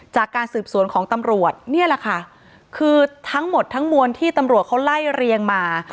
จากการสืบสวนของตำรวจนี่แหละค่ะคือทั้งหมดทั้งมวลที่ตำรวจเขาไล่เรียงมา